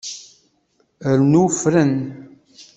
Rnu fren.